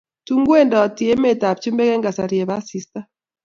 Tun kowendit emet ab chumbek eng kasari eb asista